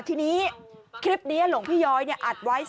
ทีนี้คลิปนี้หลวงพี่ย้อยอัดไว้